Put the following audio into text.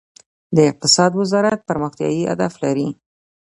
د اقتصاد وزارت پرمختیايي اهداف لري؟